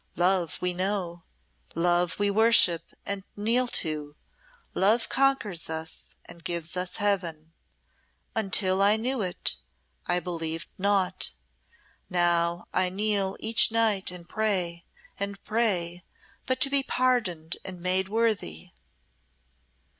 Love we know; Love we worship and kneel to; Love conquers us and gives us Heaven. Until I knew it, I believed naught. Now I kneel each night and pray, and pray, but to be pardoned and made worthy."